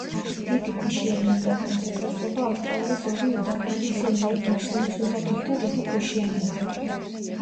დიდი ქვიშიანი უდაბნოს ესაზღვრება ავსტრალიის ორი უდაბნო ესენია გიბსონის უდაბნო და დიდი ქვიშიანი უდაბნო.